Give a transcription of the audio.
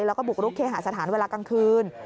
แล้วก็บุกรุกเคหาสถานเวลากลางคืน